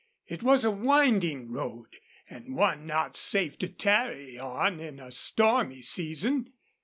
It was a winding road and one not safe to tarry on in a stormy season.